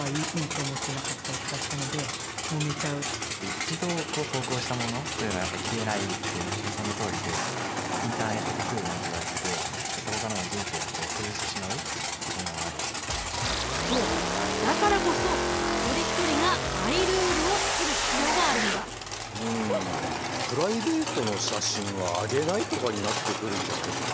一度投稿したものというのはやっぱ消えないっていうのは本当そのとおりでインターネットタトゥーなんて言われててそこからのそうだからこそ一人一人がマイルールを作る必要があるんだ。とかになってくるんじゃないかな